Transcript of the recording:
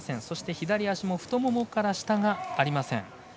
左足も太ももから下がありません。